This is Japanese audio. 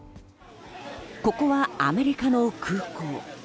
ここはアメリカの空港。